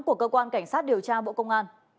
của cơ quan cảnh sát điều tra bộ công an